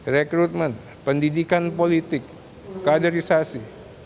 rekrutmen pendidikan politik kaderisasi